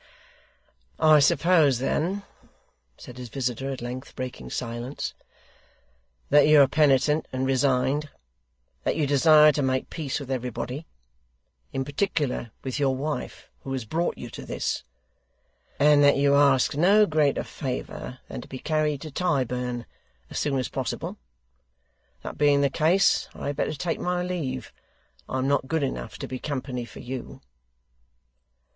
'I suppose then,' said his visitor, at length breaking silence, 'that you are penitent and resigned; that you desire to make peace with everybody (in particular, with your wife who has brought you to this); and that you ask no greater favour than to be carried to Tyburn as soon as possible? That being the case, I had better take my leave. I am not good enough to be company for you.